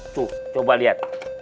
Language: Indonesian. tuh coba lihat